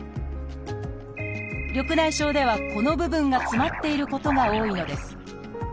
緑内障ではこの部分が詰まっていることが多いのです。